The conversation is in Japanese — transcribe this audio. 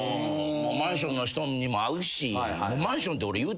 マンションの人にも会うし。